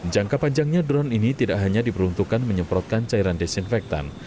jangka panjangnya drone ini tidak hanya diperuntukkan menyemprotkan cairan desinfektan